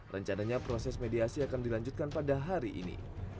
rencananya proses mediasi akan dilanjutkan pada hari ini